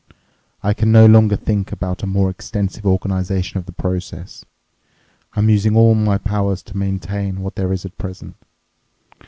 I can no longer think about a more extensive organization of the process—I'm using all my powers to maintain what there is at present.